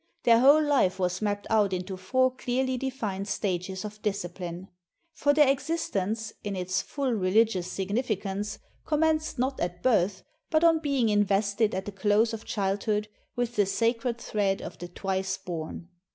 Their whole life was mapped out into four clearly defined stages of discipline. For their existence, in its full religious significance, commenced not at birth, but on being invested at the close of childhood with the sacred thread of the " Twice born."